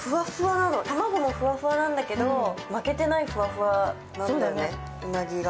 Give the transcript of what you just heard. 玉子もふわふわなんだけど、負けてないふわふわなんだよね、うなぎが。